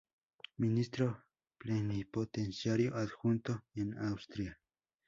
Ministro Plenipotenciario adjunto en Austria.